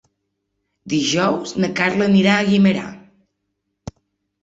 Dijous na Carla anirà a Guimerà.